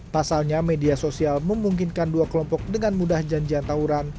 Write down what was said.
pasalnya media sosial memungkinkan dua kelompok dengan mudah janjian tawuran